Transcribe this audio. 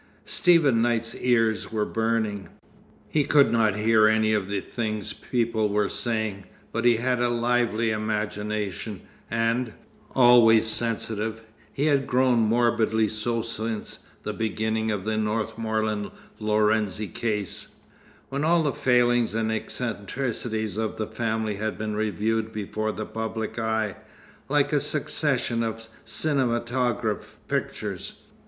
Stephen Knight's ears were burning. He could not hear any of the things people were saying; but he had a lively imagination, and, always sensitive, he had grown morbidly so since the beginning of the Northmorland Lorenzi case, when all the failings and eccentricities of the family had been reviewed before the public eye, like a succession of cinematograph pictures.